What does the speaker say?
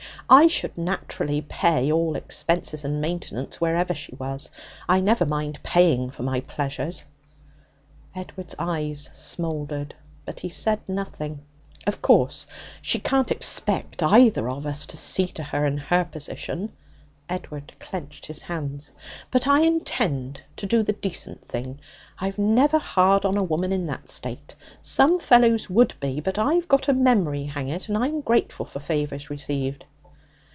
'I should naturally pay all expenses and maintenance wherever she was; I never mind paying for my pleasures.' Edward's eyes smouldered, but he said nothing. 'Of course, she can't expect either of us to see to her in her position' (Edward clenched his hands), 'but I intend to do the decent thing. I'm never hard on a woman in that state; some fellows would be; but I've got a memory, hang it, and I'm grateful for favours received.'